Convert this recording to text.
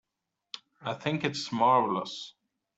I think it's marvelous.